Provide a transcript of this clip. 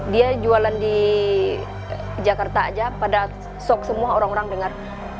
dia jualan di jakarta aja pada sok semua orang orang dengar